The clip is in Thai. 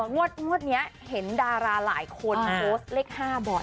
งวดนี้เห็นดาราหลายคนโพสต์เลข๕บ่อย